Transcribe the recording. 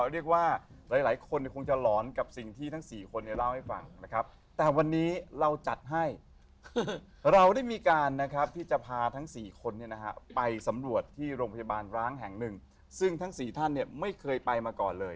เอาละครับคุณผู้ชมครับก็เรียกว่า